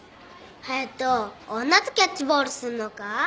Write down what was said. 隼人女とキャッチボールすんのか？